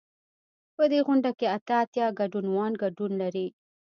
په دې غونډه کې اته اتیا ګډونوال ګډون لري.